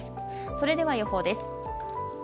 それでは予報です。